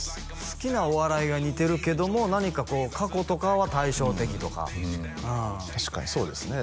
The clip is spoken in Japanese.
好きなお笑いが似てるけども何かこう過去とかは対照的とか確かにそうですね